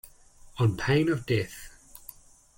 On pain of death.